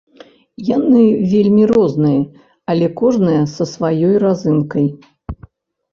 Яны вельмі розныя, але кожная са сваёй разынкай.